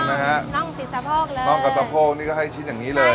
นอกกับซะโพกนี่ก็ให้ชิ้นอย่างนี้เลย